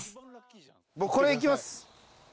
これいきます。